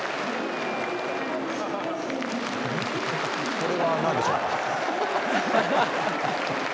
これは何でしょうか？